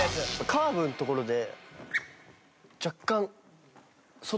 カーブのところで。